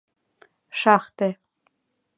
Шахте...